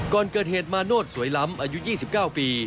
ก่อนเกิดเหตุมาโนธสวยล้ำอายุ๒๙ปี